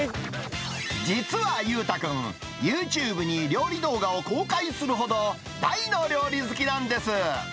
実は裕太君、ユーチューブに料理動画を公開するほど、大の料理好きなんです。